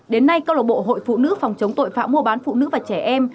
đến nay cơ lộ bộ hội phụ nữ phòng chống tội phạm mua bán phụ nữ và trẻ em